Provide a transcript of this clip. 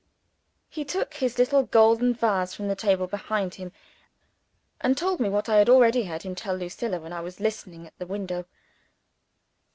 He took his little golden vase from the table behind him, and told me what I had already heard him tell Lucilla while I was listening at the window.